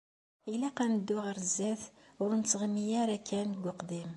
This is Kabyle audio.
Ilaq ad neddu ɣer sdat, ur nettɣimi ara kan deg uqdim.